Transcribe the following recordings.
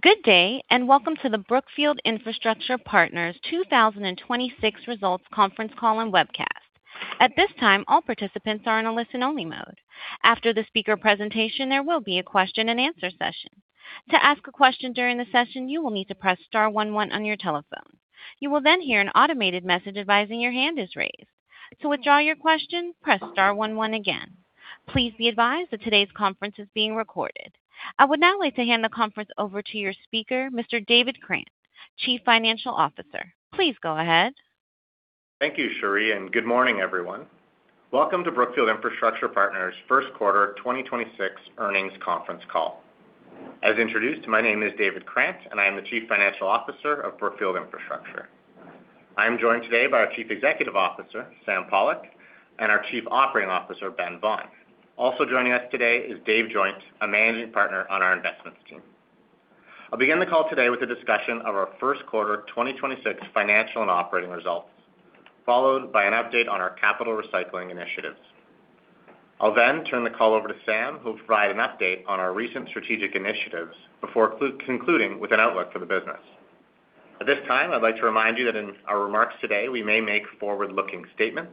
Good day, and welcome to the Brookfield Infrastructure Partners 2026 results conference call and webcast. I would now like to hand the conference over to your speaker, Mr. David Krant, Chief Financial Officer. Please go ahead.S Thank you, Cherie. Good morning, everyone. Welcome to Brookfield Infrastructure Partners' Q1 2026 earnings conference call. As introduced, my name is David Krant, and I am the Chief Financial Officer of Brookfield Infrastructure. I am joined today by our Chief Executive Officer, Sam Pollock, and our Chief Operating Officer, Ben Vaughan. Also joining us today is Dave Joynt, a Managing Partner on our investments team. I'll begin the call today with a discussion of our Q1 2026 financial and operating results, followed by an update on our capital recycling initiatives. I'll then turn the call over to Sam, who will provide an update on our recent strategic initiatives before concluding with an outlook for the business. At this time, I'd like to remind you that in our remarks today, we may make forward-looking statements.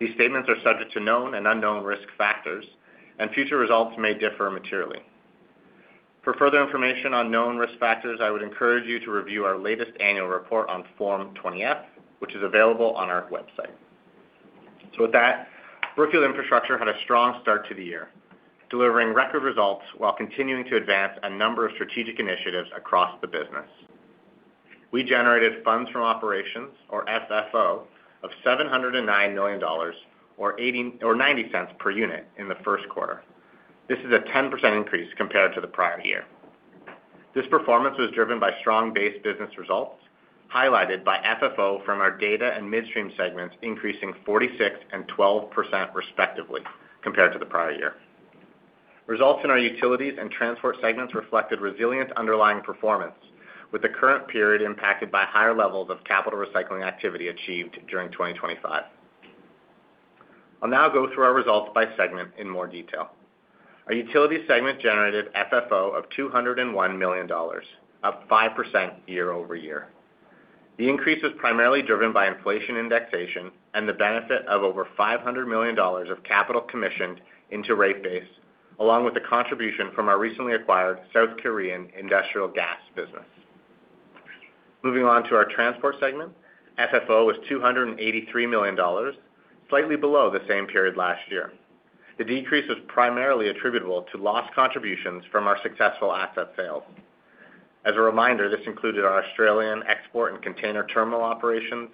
These statements are subject to known and unknown risk factors, and future results may differ materially. For further information on known risk factors, I would encourage you to review our latest annual report on Form 20-F, which is available on our website. With that, Brookfield Infrastructure had a strong start to the year, delivering record results while continuing to advance a number of strategic initiatives across the business. We generated funds from operations, or FFO, of $709 million, or $0.90 per unit in the Q1. This is a 10% increase compared to the prior year. This performance was driven by strong base business results, highlighted by FFO from our data and midstream segments increasing 46% and 12% respectively compared to the prior year. Results in our utilities and transport segments reflected resilient underlying performance, with the current period impacted by higher levels of capital recycling activity achieved during 2025. I'll now go through our results by segment in more detail. Our utility segment generated FFO of $201 million, up 5% year-over-year. The increase was primarily driven by inflation indexation and the benefit of over $500 million of capital commissioned into rate base, along with the contribution from our recently acquired South Korean industrial gas business. Moving on to our transport segment, FFO was $283 million, slightly below the same period last year. The decrease was primarily attributable to lost contributions from our successful asset sales. As a reminder, this included our Australian export and container terminal operations,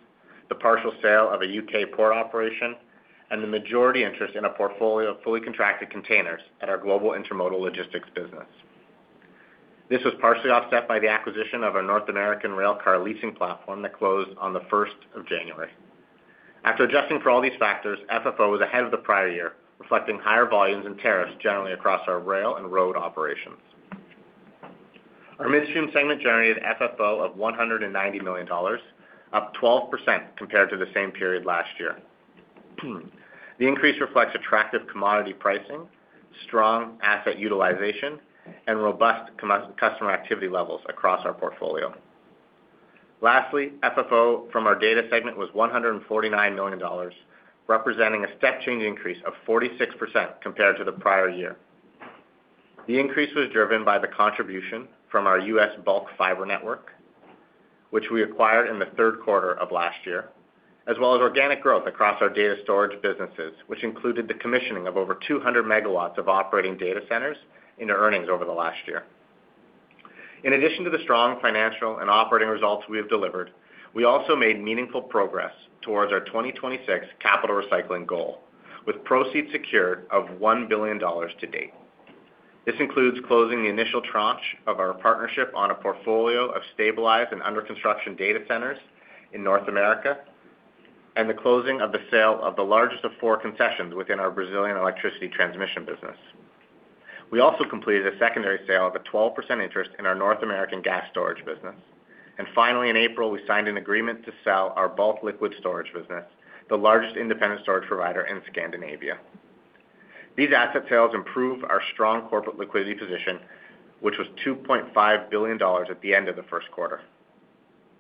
the partial sale of a U.K. port operation, and the majority interest in a portfolio of fully contracted containers at our global intermodal logistics business. This was partially offset by the acquisition of our North American railcar leasing platform that closed on the 1st of January. After adjusting for all these factors, FFO was ahead of the prior year, reflecting higher volumes and tariffs generally across our rail and road operations. Our midstream segment generated FFO of $190 million, up 12% compared to the same period last year. The increase reflects attractive commodity pricing, strong asset utilization, and robust customer activity levels across our portfolio. Lastly, FFO from our data segment was $149 million, representing a step change increase of 46% compared to the prior year. The increase was driven by the contribution from our U.S. bulk fiber network, which we acquired in the Q3 of last year, as well as organic growth across our data storage businesses, which included the commissioning of over 200 megawatts of operating data centers into earnings over the last year. In addition to the strong financial and operating results we have delivered, we also made meaningful progress towards our 2026 capital recycling goal, with proceeds secured of $1 billion to date. This includes closing the initial tranche of our partnership on a portfolio of stabilized and under-construction data centers in North America and the closing of the sale of the largest of 4 concessions within our Brazilian electricity transmission business. We also completed a secondary sale of a 12% interest in our North American gas storage business. Finally, in April, we signed an agreement to sell our bulk liquid storage business, the largest independent storage provider in Scandinavia. These asset sales improve our strong corporate liquidity position, which was $2.5 billion at the end of the Q1.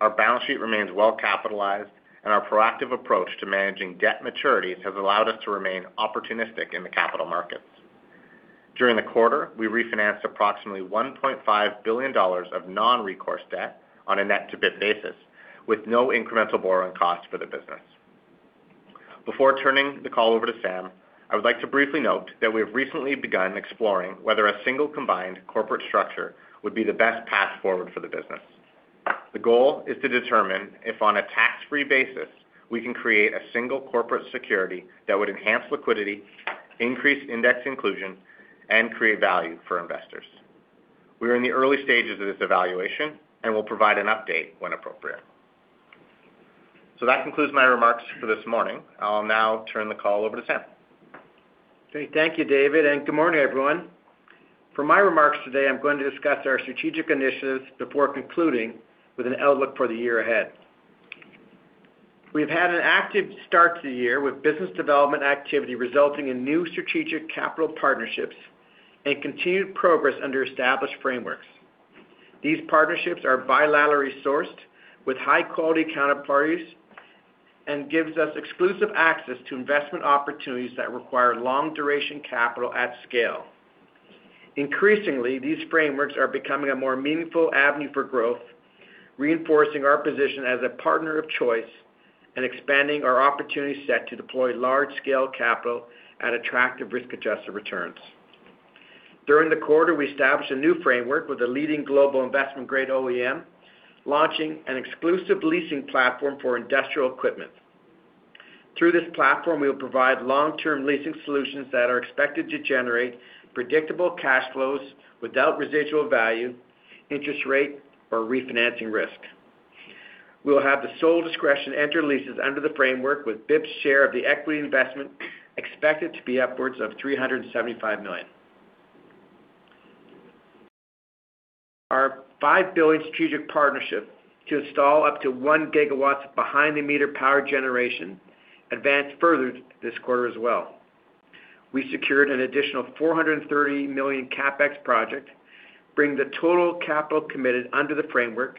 Our balance sheet remains well-capitalized, and our proactive approach to managing debt maturities has allowed us to remain opportunistic in the capital markets. During the quarter, we refinanced approximately $1.5 billion of non-recourse debt on a net-to-debt basis, with no incremental borrowing costs for the business. Before turning the call over to Sam, I would like to briefly note that we have recently begun exploring whether a single combined corporate structure would be the best path forward for the business. The goal is to determine if, on a tax-free basis, we can create a single corporate security that would enhance liquidity, increase index inclusion, and create value for investors. We are in the early stages of this evaluation and will provide an update when appropriate. That concludes my remarks for this morning. I'll now turn the call over to Sam. Great. Thank you, David, and good morning, everyone. For my remarks today, I'm going to discuss our strategic initiatives before concluding with an outlook for the year ahead. We've had an active start to the year with business development activity resulting in new strategic capital partnerships and continued progress under established frameworks. These partnerships are bilaterally sourced with high-quality counterparties and gives us exclusive access to investment opportunities that require long duration capital at scale. Increasingly, these frameworks are becoming a more meaningful avenue for growth, reinforcing our position as a partner of choice and expanding our opportunity set to deploy large-scale capital at attractive risk-adjusted returns. During the quarter, we established a new framework with a leading global investment-grade OEM, launching an exclusive leasing platform for industrial equipment. Through this platform, we will provide long-term leasing solutions that are expected to generate predictable cash flows without residual value, interest rate, or refinancing risk. We'll have the sole discretion to enter leases under the framework with BIP's share of the equity investment expected to be upwards of $375 million. Our $5 billion strategic partnership to install up to 1 gigawatts behind-the-meter power generation advanced further this quarter as well. We secured an additional $430 million CapEx project, bringing the total capital committed under the framework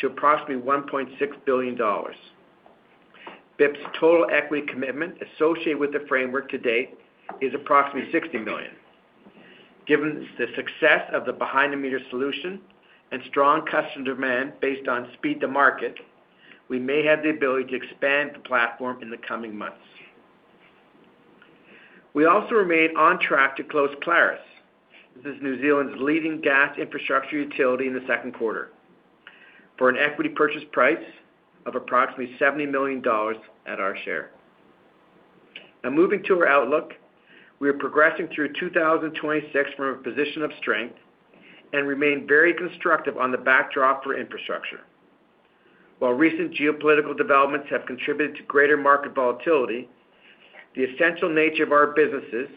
to approximately $1.6 billion. BIP's total equity commitment associated with the framework to date is approximately $60 million. Given the success of the behind-the-meter solution and strong customer demand based on speed to market, we may have the ability to expand the platform in the coming months. We also remain on track to close Clarus. This is New Zealand's leading gas infrastructure utility in the Q2 for an equity purchase price of approximately $70 million at our share. Moving to our outlook. We are progressing through 2026 from a position of strength and remain very constructive on the backdrop for infrastructure. While recent geopolitical developments have contributed to greater market volatility, the essential nature of our businesses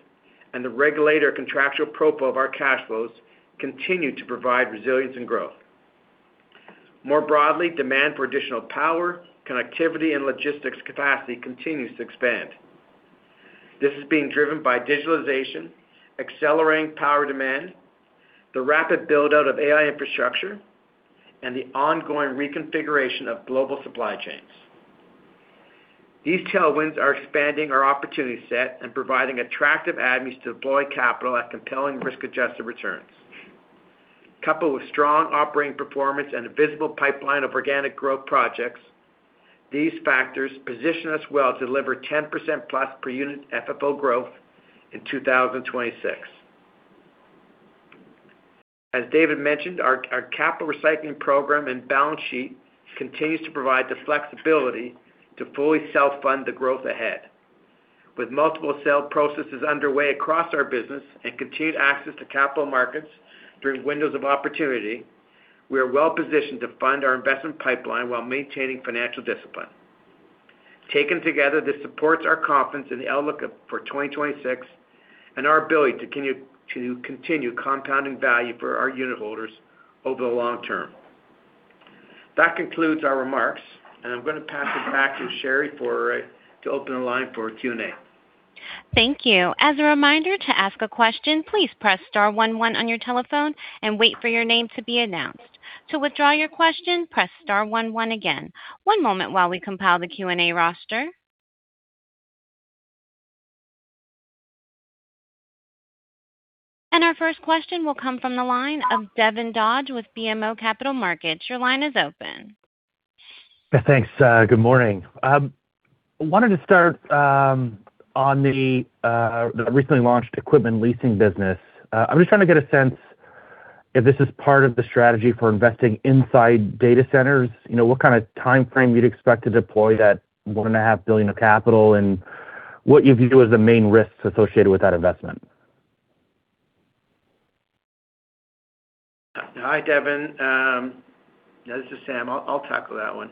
and the regulated contractual profile of our cash flows continue to provide resilience and growth. More broadly, demand for additional power, connectivity, and logistics capacity continues to expand. This is being driven by digitalization, accelerating power demand, the rapid build-out of AI infrastructure, and the ongoing reconfiguration of global supply chains. These tailwinds are expanding our opportunity set and providing attractive avenues to deploy capital at compelling risk-adjusted returns. Coupled with strong operating performance and a visible pipeline of organic growth projects, these factors position us well to deliver 10%-plus per unit FFO growth in 2026. As David mentioned, our capital recycling program and balance sheet continues to provide the flexibility to fully self-fund the growth ahead. With multiple sale processes underway across our business and continued access to capital markets through windows of opportunity, we are well positioned to fund our investment pipeline while maintaining financial discipline. Taken together, this supports our confidence in the outlook for 2026 and our ability to continue compounding value for our unit holders over the long term. That concludes our remarks, and I'm gonna pass it back to Cherie to open the line for Q&A. Thank you. As a reminder, to ask a question, please press star 11 on your telephone and wait for your name to be announced. To withdraw your question, press star 11 again. One moment while we compile the Q&A roster. Our first question will come from the line of Devin Dodge with BMO Capital Markets. Your line is open. Thanks. Good morning. I wanted to start on the recently launched equipment leasing business. I'm just trying to get a sense if this is part of the strategy for investing inside data centers. You know, what kind of timeframe you'd expect to deploy that one and a half billion of capital and what you view as the main risks associated with that investment? Hi, Devin. This is Sam. I'll tackle that one.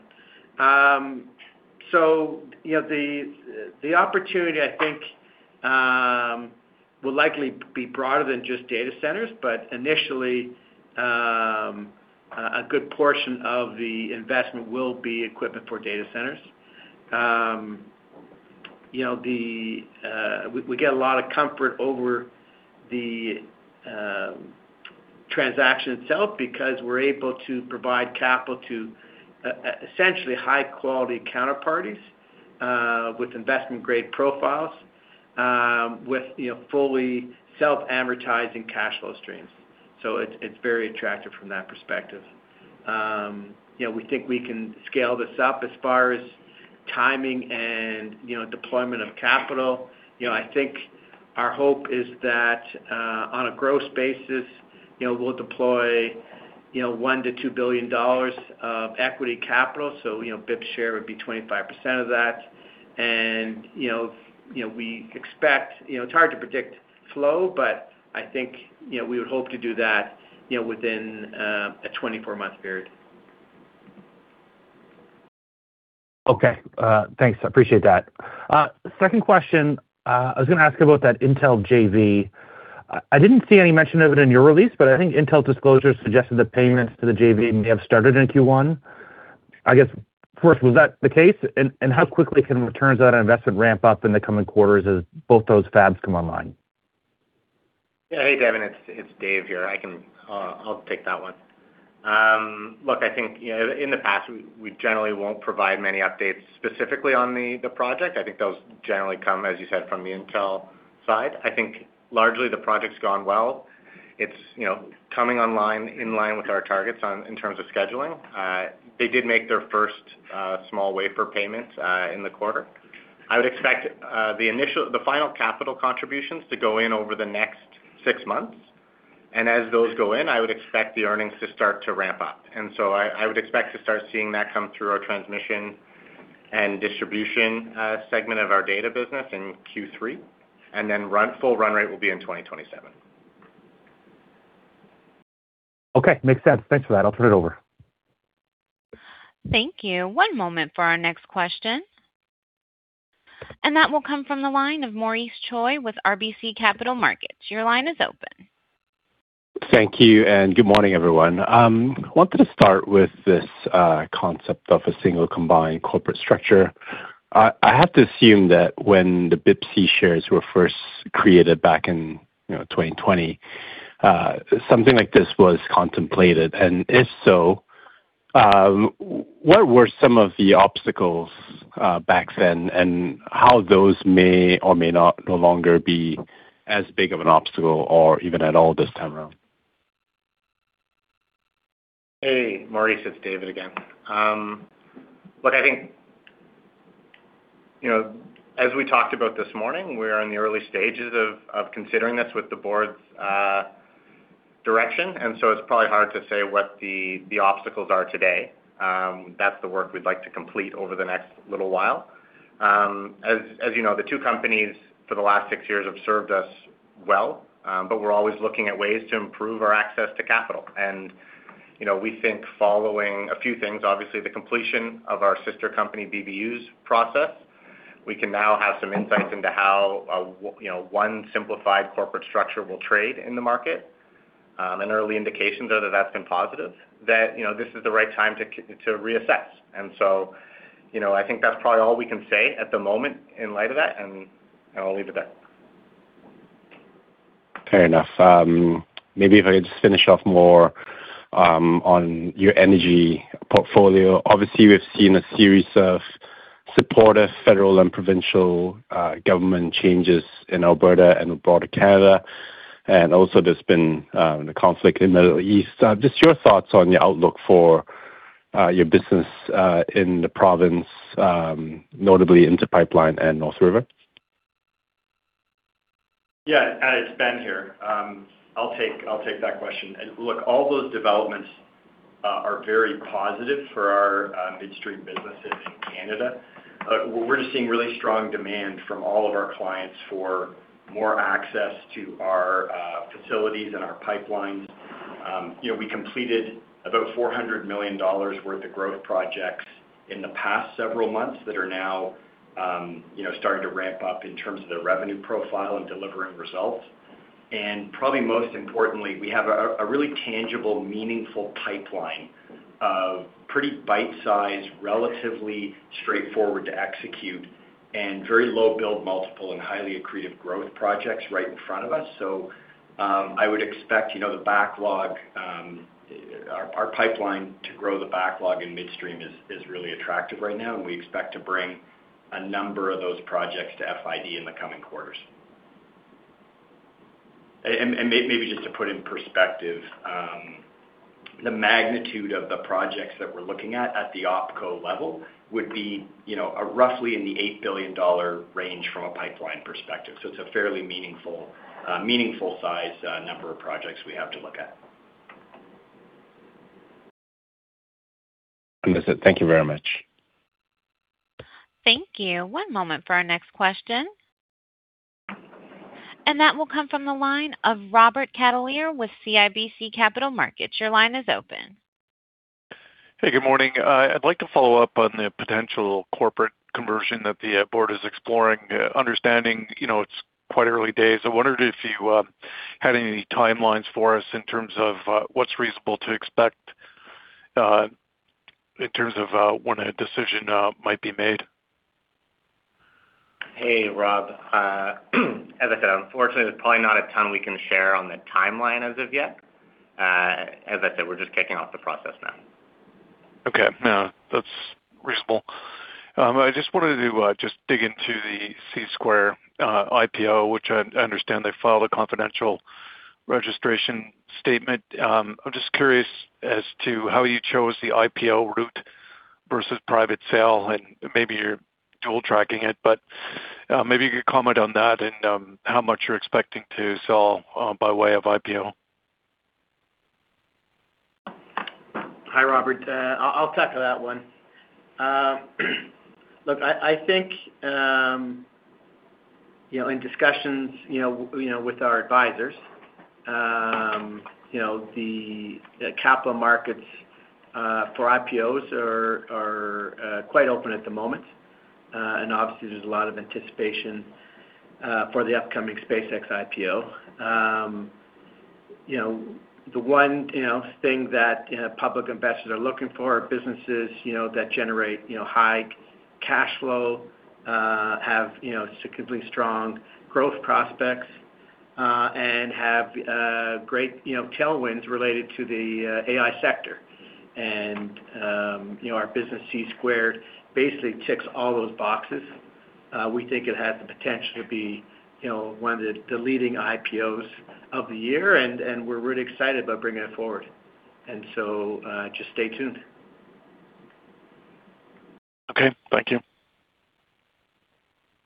You know, the opportunity I think, will likely be broader than just data centers, but initially, a good portion of the investment will be equipment for data centers. You know, we get a lot of comfort over the transaction itself because we're able to provide capital to essentially high-quality counterparties with investment-grade profiles, with, you know, fully self-advertising cash flow streams. It's very attractive from that perspective. You know, we think we can scale this up as far as timing and, you know, deployment of capital. You know, I think our hope is that on a gross basis, you know, we'll deploy, you know, $1 billion-$2 billion of equity capital. You know, BIP share would be 25% of that. You know, we expect, you know, it's hard to predict flow, but I think, you know, we would hope to do that, you know, within a 24-month period. Okay. Thanks. I appreciate that. Second question, I was gonna ask about that Intel JV. I didn't see any mention of it in your release, but I think Intel disclosure suggested the payments to the JV may have started in Q1. I guess, first, was that the case? How quickly can returns on investment ramp up in the coming quarters as both those fabs come online? Hey, Devin, it's Dave here. I can, I'll take that one. Look, I think, you know, in the past, we generally won't provide many updates specifically on the project. I think those generally come, as you said, from the Intel side. I think largely the project's gone well. It's, you know, coming online in line with our targets in terms of scheduling. They did make their first small wafer payment in the quarter. I would expect the final capital contributions to go in over the next six months. As those go in, I would expect the earnings to start to ramp up. I would expect to start seeing that come through our transmission and distribution segment of our data business in Q3, and then full run rate will be in 2027. Okay. Makes sense. Thanks for that. I will turn it over. Thank you. One moment for our next question. That will come from the line of Maurice Choy with RBC Capital Markets. Your line is open. Thank you, good morning, everyone. Wanted to start with this concept of a single combined corporate structure. I have to assume that when the BIPC shares were first created back in, you know, 2020, something like this was contemplated. If so, what were some of the obstacles back then and how those may or may not no longer be as big of an obstacle or even at all this time around? Hey, Maurice, it's David again. Look, I think, you know, as we talked about this morning, we're in the early stages of considering this with the board's direction, it's probably hard to say what the obstacles are today. That's the work we'd like to complete over the next little while. As you know, the 2 companies for the last 6 years have served us well, but we're always looking at ways to improve our access to capital. You know, we think following a few things, obviously, the completion of our sister company, BBUC process, we can now have some insights into how, you know, 1 simplified corporate structure will trade in the market. An early indication, though, that that's been positive, that, you know, this is the right time to reassess. You know, I think that's probably all we can say at the moment in light of that, and I'll leave it there. Fair enough. Maybe if I could just finish off more on your energy portfolio. Obviously, we've seen a series of supportive federal and provincial government changes in Alberta and broader Canada, and also there's been the conflict in the Middle East. Just your thoughts on the outlook for your business in the province, notably Inter Pipeline and North River. It's Ben here. I'll take that question. Look, all those developments are very positive for our midstream businesses in Canada. We're just seeing really strong demand from all of our clients for more access to our facilities and our pipelines. You know, we completed about $400 million worth of growth projects in the past several months that are now, you know, starting to ramp up in terms of their revenue profile and delivering results. Probably most importantly, we have a really tangible, meaningful pipeline of pretty bite-sized, relatively straightforward to execute and very low build multiple and highly accretive growth projects right in front of us. I would expect, you know, the backlog, our pipeline to grow the backlog in midstream is really attractive right now, and we expect to bring a number of those projects to FID in the coming quarters. Maybe just to put in perspective, the magnitude of the projects that we're looking at at the opco level would be, you know, roughly in the $8 billion range from a pipeline perspective. It's a fairly meaningful size number of projects we have to look at. Understood. Thank you very much. Thank you. One moment for our next question. That will come from the line of Robert Catellier with CIBC Capital Markets. Your line is open. Hey, good morning. I'd like to follow up on the potential corporate conversion that the board is exploring. Understanding, you know, it's quite early days. I wondered if you had any timelines for us in terms of what's reasonable to expect in terms of when a decision might be made. Hey, Rob. As I said, unfortunately, there's probably not a ton we can share on the timeline as of yet. As I said, we're just kicking off the process now. Okay. No, that's reasonable. I just wanted to dig into the Csquared IPO, which I understand they filed a confidential registration statement. I'm just curious as to how you chose the IPO route versus private sale, and maybe you're dual tracking it, but maybe you could comment on that and how much you're expecting to sell by way of IPO. Hi, Robert. I'll tackle that one. Look, I think, you know, in discussions, you know, with our advisors, you know, the capital markets for IPOs are quite open at the moment. Obviously, there's a lot of anticipation for the upcoming SpaceX IPO. You know, the one, you know, thing that public investors are looking for are businesses, you know, that generate, you know, high cash flow, have, you know, significantly strong growth prospects, and have great, you know, tailwinds related to the AI sector. You know, our business Csquared basically ticks all those boxes. We think it has the potential to be, you know, one of the leading IPOs of the year, and we're really excited about bringing it forward. Just stay tuned. Okay. Thank you.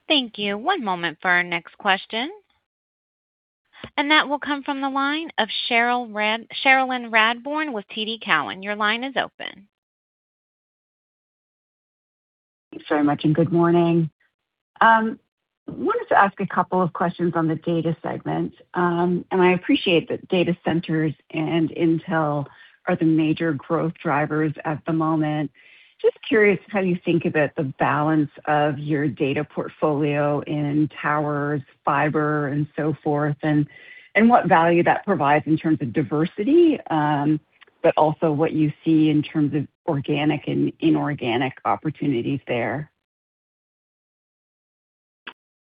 Thank you. One moment for our next question. That will come from the line of Cherilyn Radbourne with TD Cowen. Your line is open. Thanks very much, and good morning. Wanted to ask a couple of questions on the data segment. I appreciate that data centers and Intel are the major growth drivers at the moment. Just curious how you think about the balance of your data portfolio in towers, fiber, and so forth, and what value that provides in terms of diversity, but also what you see in terms of organic and inorganic opportunities there.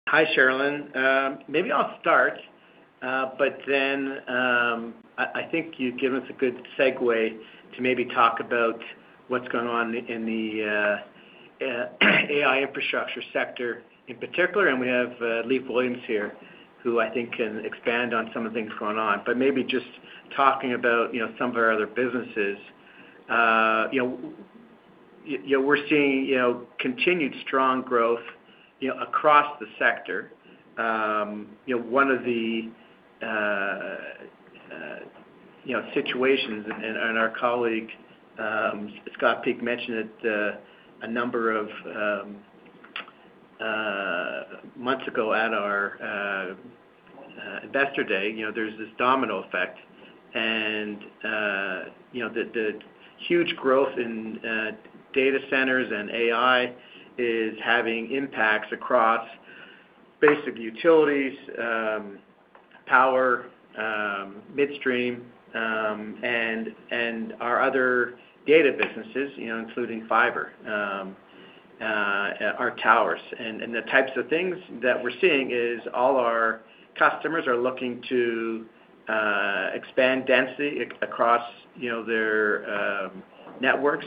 Hi, Cherilyn. Maybe I'll start. I think you've given us a good segue to maybe talk about what's going on in the AI infrastructure sector in particular. We have Lief Williams here, who I think can expand on some of the things going on. Maybe just talking about, you know, some of our other businesses. You know, we're seeing, you know, continued strong growth, you know, across the sector. You know, one of the, you know, situations, and our colleague, Scott Peak mentioned it a number of months ago at our Investor Day. You know, there's this domino effect, you know, the huge growth in data centers and AI is having impacts across basic utilities, power, midstream, and our other data businesses, you know, including fiber, our towers. The types of things that we're seeing is all our customers are looking to expand density across, you know, their networks.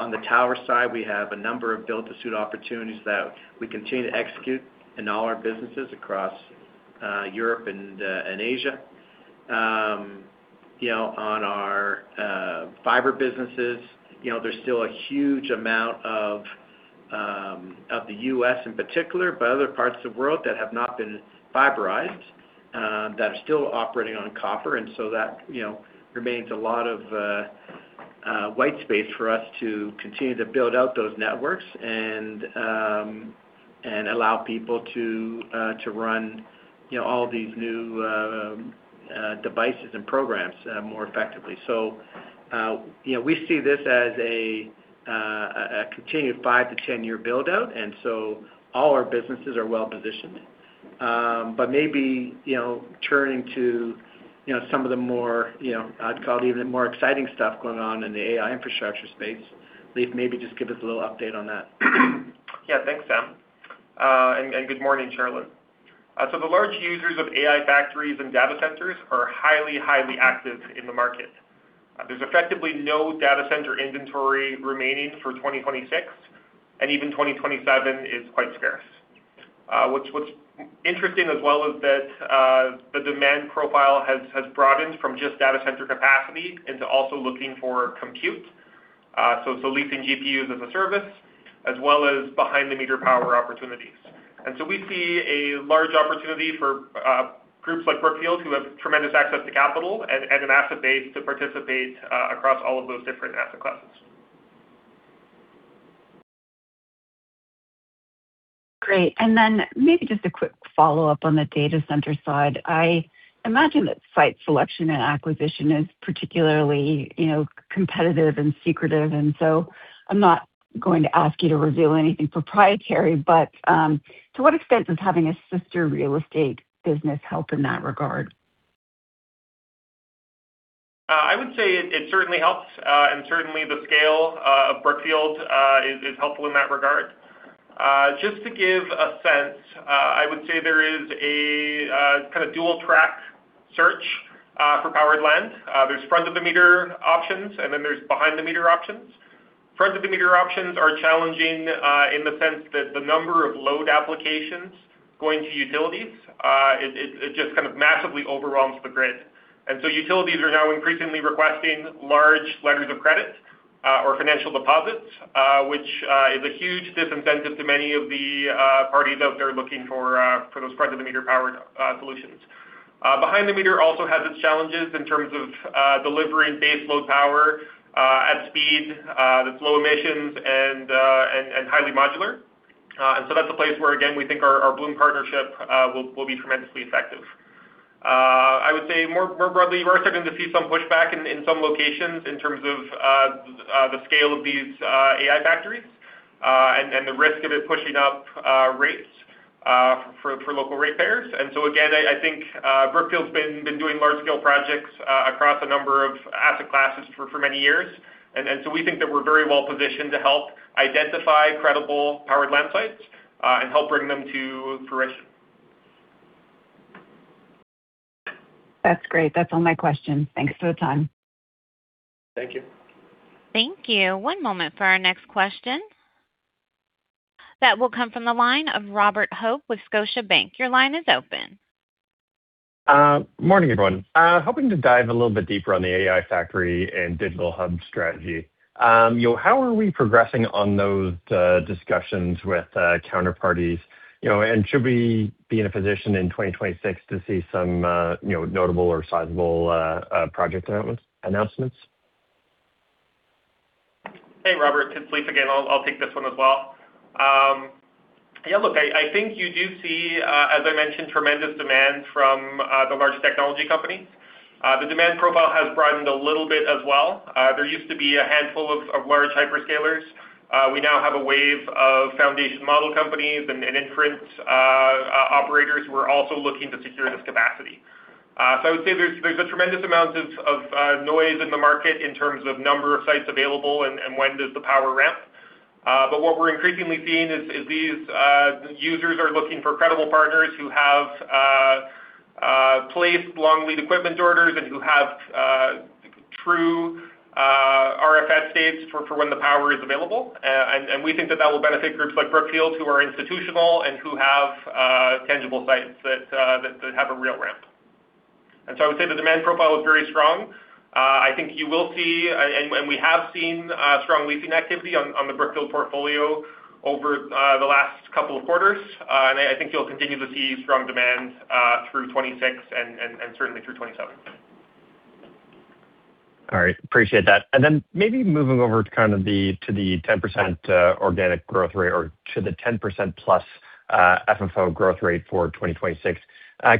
On the tower side, we have a number of build-to-suit opportunities that we continue to execute in all our businesses across Europe and Asia. You know, on our fiber businesses, you know, there's still a huge amount of the U.S. in particular, but other parts of the world that have not been fiberized that are still operating on copper. That, you know, remains a lot of white space for us to continue to build out those networks and allow people to run, you know, all these new devices and programs more effectively. You know, we see this as a continued 5-10-year build-out, and so all our businesses are well-positioned. Maybe, you know, turning to, you know, some of the more, you know, I'd call it even more exciting stuff going on in the AI infrastructure space. Lief, maybe just give us a little update on that. Yeah. Thanks, Sam. And good morning, Cherilyn. The large users of AI factories and data centers are highly active in the market. There's effectively no data center inventory remaining for 2026, and even 2027 is quite scarce. What's interesting as well is that the demand profile has broadened from just data center capacity into also looking for compute. It's the leasing GPUs as a service, as well as behind-the-meter power opportunities. We see a large opportunity for groups like Brookfield, who have tremendous access to capital and an asset base to participate across all of those different asset classes. Great. Then maybe just a quick follow-up on the data center side. I imagine that site selection and acquisition is particularly, you know, competitive and secretive. I'm not going to ask you to reveal anything proprietary. To what extent does having a sister real estate business help in that regard? I would say it certainly helps. And certainly the scale of Brookfield is helpful in that regard. Just to give a sense, I would say there is a kind of dual track search for powered land. There's front-of-the-meter options, and then there's behind-the-meter options. Front-of-the-meter options are challenging in the sense that the number of load applications going to utilities, it, it just kind of massively overwhelms the grid. Utilities are now increasingly requesting large letters of credit or financial deposits, which is a huge disincentive to many of the parties out there looking for for those front-of-the-meter powered solutions. Behind-the-meter also has its challenges in terms of delivering base load power at speed that's low emissions and highly modular. That's a place where, again, we think our Bloom partnership will be tremendously effective. I would say more broadly, we are starting to see some pushback in some locations in terms of the scale of these AI factories, and the risk of it pushing up rates for local ratepayers. Again, I think Brookfield's been doing large scale projects across a number of asset classes for many years. We think that we're very well positioned to help identify credible powered land sites and help bring them to fruition. That's great. That's all my questions. Thanks for the time. Thank you. Thank you. One moment for our next question. That will come from the line of Robert Hope with Scotiabank. Your line is open. Morning, everyone. Hoping to dive a little bit deeper on the AI factory and digital hub strategy. You know, how are we progressing on those discussions with counterparties? You know, should we be in a position in 2026 to see some, you know, notable or sizable, project announcements? Hey, Robert. It's Lief again. I'll take this one as well. Yeah, look, I think you do see, as I mentioned, tremendous demand from the large technology companies. The demand profile has broadened a little bit as well. There used to be a handful of large hyperscalers. We now have a wave of foundation model companies and inference operators who are also looking to secure this capacity. I would say there's a tremendous amount of noise in the market in terms of number of sites available and when does the power ramp. What we're increasingly seeing is these users are looking for credible partners who have placed long lead equipment orders and who have true RFS dates for when the power is available. We think that will benefit groups like Brookfield, who are institutional and who have tangible sites that have a real ramp. I would say the demand profile is very strong. I think you will see, and we have seen strong leasing activity on the Brookfield portfolio over the last couple of quarters. I think you'll continue to see strong demand through 2026 and certainly through 2027. All right. Appreciate that. Maybe moving over to kind of the to the 10% organic growth rate or to the 10% plus FFO growth rate for 2026.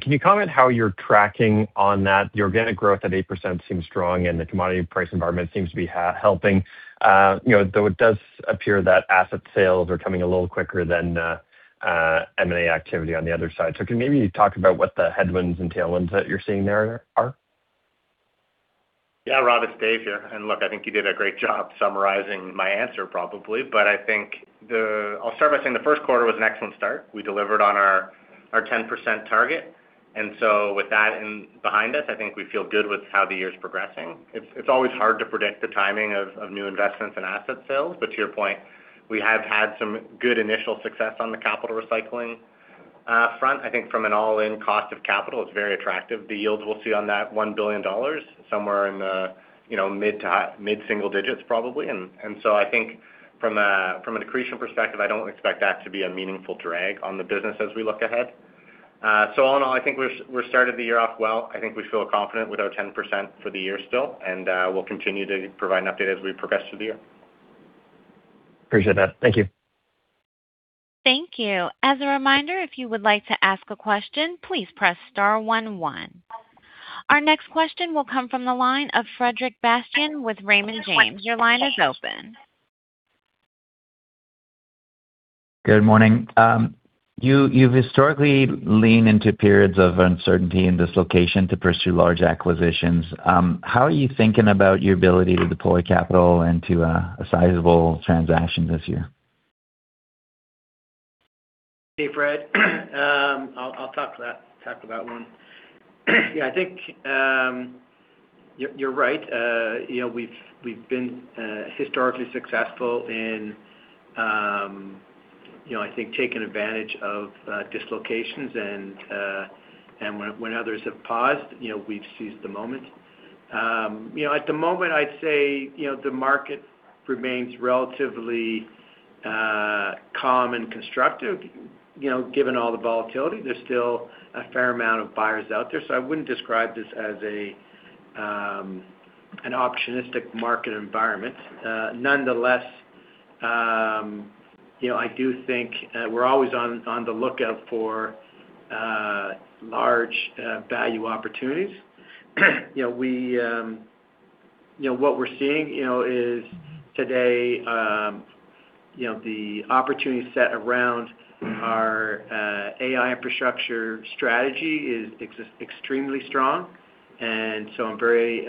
Can you comment how you're tracking on that? The organic growth at 8% seems strong, and the commodity price environment seems to be helping. You know, though it does appear that asset sales are coming a little quicker than M&A activity on the other side. Can maybe you talk about what the headwinds and tailwinds that you're seeing there are? Yeah, Rob, it's Dave here. Look, I think you did a great job summarizing my answer, probably. I think I'll start by saying the Q1 was an excellent start. We delivered on our 10% target. With that in behind us, I think we feel good with how the year is progressing. It's always hard to predict the timing of new investments and asset sales. To your point, we have had some good initial success on the capital recycling front. I think from an all-in cost of capital, it's very attractive. The yields we'll see on that $1 billion, somewhere in the, you know, mid to high mid-single digits, probably. So I think from an accretion perspective, I don't expect that to be a meaningful drag on the business as we look ahead. All in all, I think we're started the year off well. I think we feel confident with our 10% for the year still. We'll continue to provide an update as we progress through the year. Appreciate that. Thank you. Thank you. As a reminder, if you would like to ask a question, please press star one one. Our next question will come from the line of Frederic Bastien with Raymond James. Your line is open. Good morning. You've historically leaned into periods of uncertainty and dislocation to pursue large acquisitions. How are you thinking about your ability to deploy capital into a sizable transaction this year? Hey, Fred. I'll talk to that. Talk to that one. Yeah, I think, you're right. You know, we've been historically successful in, you know, I think taking advantage of dislocations and when others have paused, you know, we've seized the moment. You know, at the moment, I'd say, you know, the market remains relatively calm and constructive. You know, given all the volatility, there's still a fair amount of buyers out there, so I wouldn't describe this as an opportunistic market environment. Nonetheless, you know, I do think we're always on the lookout for large value opportunities. You know, what we're seeing, you know, is today, you know, the opportunity set around our AI infrastructure strategy is extremely strong. I'm very,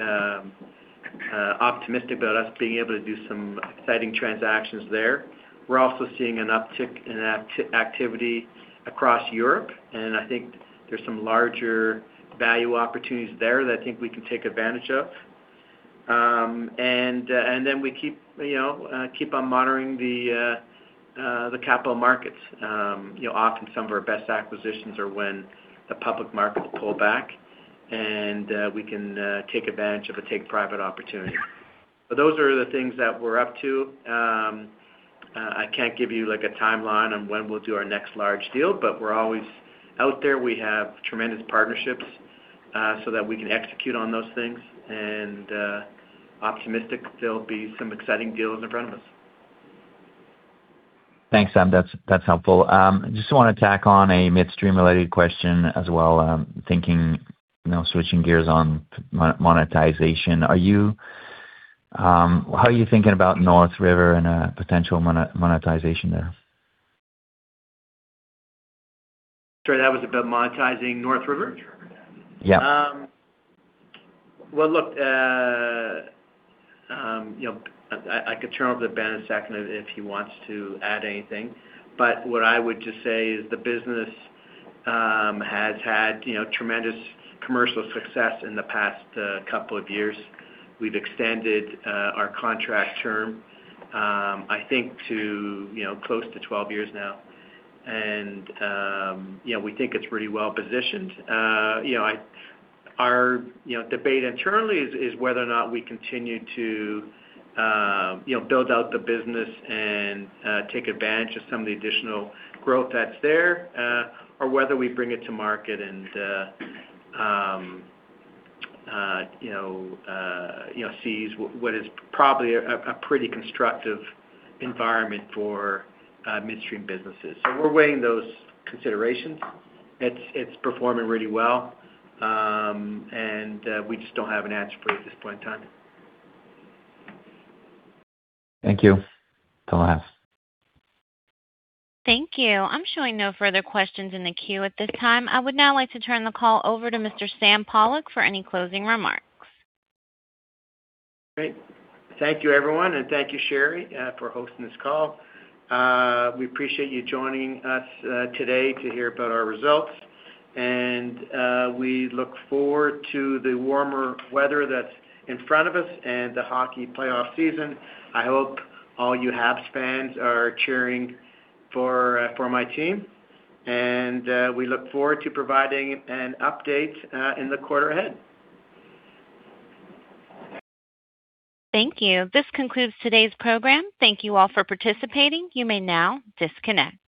optimistic about us being able to do some exciting transactions there. We're also seeing an uptick in activity across Europe, and I think there's some larger value opportunities there that I think we can take advantage of. We keep, you know, keep on monitoring the capital markets. You know, often some of our best acquisitions are when the public markets pull back, and we can take advantage of a take private opportunity. Those are the things that we're up to. I can't give you, like, a timeline on when we'll do our next large deal, but we're always out there. We have tremendous partnerships, so that we can execute on those things and optimistic there'll be some exciting deals in front of us. Thanks, Sam. That's helpful. Just wanna tack on a midstream related question as well. Thinking, you know, switching gears on monetization. How are you thinking about North River and potential monetization there? Sorry, that was about monetizing North River? Yeah. Well, look, you know, I could turn over to Ben in a second if he wants to add anything. What I would just say is the business has had, you know, tremendous commercial success in the past couple of years. We've extended our contract term, I think to, you know, close to 12 years now. You know, we think it's pretty well-positioned. You know, our, you know, debate internally is whether or not we continue to, you know, build out the business and take advantage of some of the additional growth that's there, or whether we bring it to market and, you know, you know, seize what is probably a pretty constructive environment for midstream businesses. So we're weighing those considerations. It's performing really well, and we just don't have an answer for you at this point in time. Thank you. That's all I have. Thank you. I'm showing no further questions in the queue at this time. I would now like to turn the call over to Mr. Sam Pollock for any closing remarks. Great. Thank you, everyone, and thank you, Sherry, for hosting this call. We appreciate you joining us today to hear about our results. We look forward to the warmer weather that's in front of us and the hockey playoff season. I hope all you Habs fans are cheering for my team. We look forward to providing an update in the quarter ahead. Thank you. This concludes today's program. Thank you all for participating. You may now disconnect.